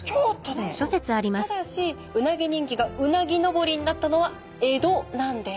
ただしうなぎ人気がうなぎのぼりになったのは江戸なんです。